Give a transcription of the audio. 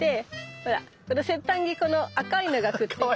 ほらこの先端にこの赤いのがくっついてるの。